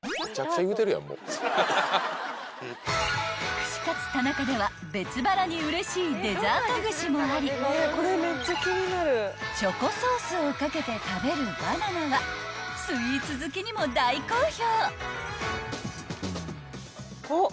［串カツ田中では別腹にうれしいデザート串もありチョコソースを掛けて食べるバナナはスイーツ好きにも大好評］